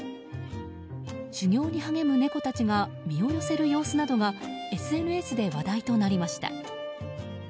修行に励む猫たちが身を寄せる様子などがＳＮＳで話題となりました。